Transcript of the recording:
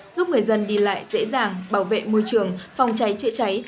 giúp người dân đi lại dễ dàng bảo vệ môi trường phòng cháy chữa cháy